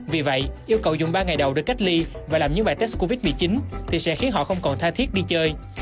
vì vậy yêu cầu dùng ba ngày đầu để cách ly và làm những bài test covid một mươi chín thì sẽ khiến họ không còn tha thiết đi chơi